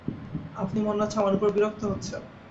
আপনি মনে হচ্ছে আমার ওপর বিরক্ত হচ্ছেন।